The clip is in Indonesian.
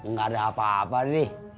gak ada apa apa deh